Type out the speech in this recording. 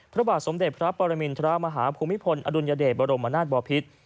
พระบาทสมเด็จพระปรมินทรมาฮาภูมิพลอดุลยเดชบรมนาศบอพิษ